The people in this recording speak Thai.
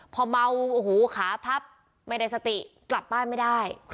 พอเมาโอ้โหขาพับไม่ได้สติกลับบ้านไม่ได้